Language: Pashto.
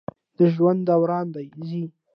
د ژوند دوران د زی